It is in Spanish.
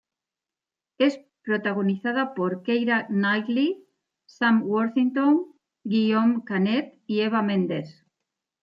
Es protagonizada por Keira Knightley, Sam Worthington, Guillaume Canet y Eva Mendes.